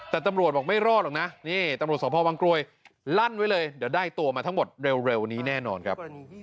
แต่ตำรวจบอกไม่รอดหรอกนะนี่ตำรวจสภวังกลวยลั่นไว้เลยเดี๋ยวได้ตัวมาทั้งหมดเร็วนี้แน่นอนครับ